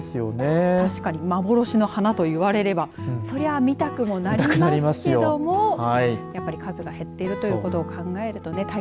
確かに、幻の花と言われればそれは見たくなりますけどもやはり数が減っているということを考えるとね。